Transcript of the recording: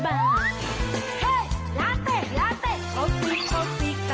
แฮปปี้พร้อมเปิดวง